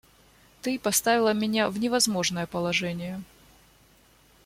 Ты поставила меня в невозможное положение.